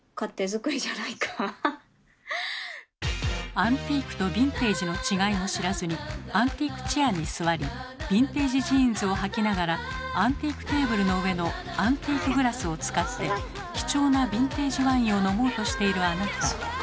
「アンティーク」と「ヴィンテージ」の違いも知らずにアンティークチェアに座りヴィンテージジーンズをはきながらアンティークテーブルの上のアンティークグラスを使って貴重なヴィンテージワインを飲もうとしているあなた。